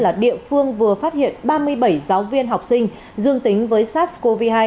là địa phương vừa phát hiện ba mươi bảy giáo viên học sinh dương tính với sars cov hai